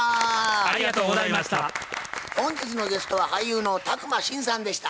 本日のゲストは俳優の宅麻伸さんでした。